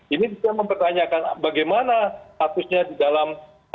ini bisa mempertanyakan bagaimana statusnya di dalam